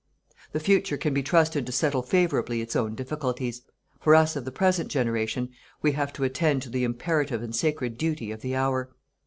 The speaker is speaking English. The future can be trusted to settle favourably its own difficulties. For us of the present generation, we have to attend to the imperative and sacred duty of the hour.